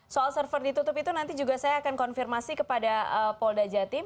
soal server ditutup itu nanti juga saya akan konfirmasi kepada polda jatim